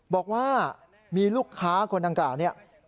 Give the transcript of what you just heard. บอกว่ามีลูกค้าคนอังกฤษ